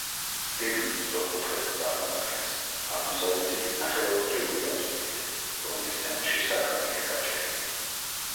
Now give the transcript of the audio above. გეგმით სწორკუთხედს წარმოადგენს, აღმოსავლეთით ნახევარწრიული აბსიდით, რომლის ცენტრში სარკმელია გაჭრილი.